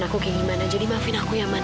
sekali lagi aku minta maaf ya man